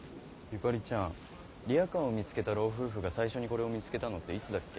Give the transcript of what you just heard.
ゆかりちゃんリアカーを見つけた老夫婦が最初にこれを見つけたのっていつだっけ？